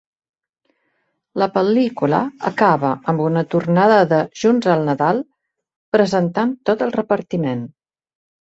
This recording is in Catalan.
La pel·lícula acaba amb una tornada de "Junts al Nadal", presentant tot el repartiment.